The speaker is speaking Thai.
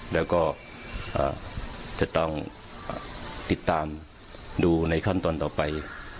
แล้วก็จะต้องติดตามดูในขั้นตอนต่อไป